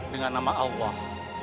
dengan nama allah